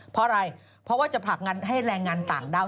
เพราะอะไรเพราะว่าจะผลักดันให้แรงงานต่างด้าว